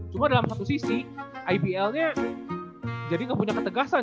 cuma dalam satu sisi ibl nya jadi gak punya ketegasan